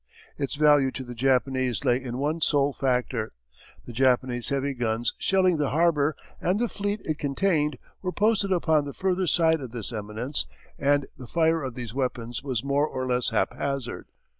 Its value to the Japanese lay in one sole factor. The Japanese heavy guns shelling the harbour and the fleet it contained were posted upon the further side of this eminence and the fire of these weapons was more or less haphazard.